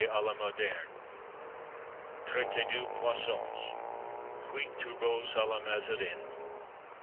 à la Moderne. Trente deux Poissons. Huit Turbots à la Mazarin.